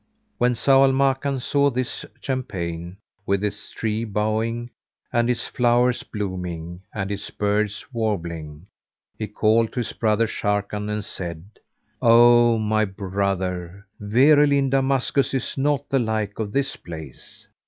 When Zau al Makan saw this champaign, with its trees bowing and its flowers blooming and its birds warbling, he called to his brother Sharrkan and said, "O my brother, verily in Damascus is naught the like of this place.